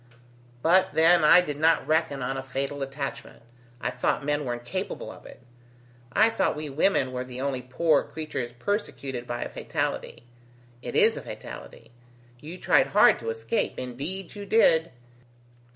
But then I did not reckon on a fatal attachment, I thought men were incapable of it. I thought we women were the only poor creatures persecuted by a fatality. It is a fatality! You tried hard to escape, indeed you did.